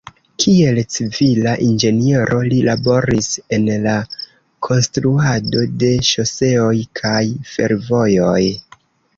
Kiel civila inĝeniero li laboris en la konstruado de ŝoseoj kaj fervojoj.